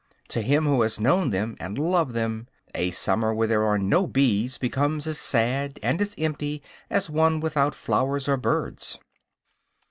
To him who has known them and loved them, a summer where there are no bees becomes as sad and as empty as one without flowers or birds.